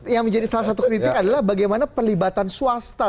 yang menjadi salah satu kritik adalah bagaimana perlibatan swasta